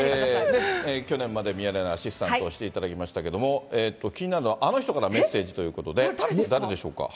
去年までミヤネ屋でアシスタントをしていただいてましたけども、気になるのはあの人からメッセージということで、誰でしょう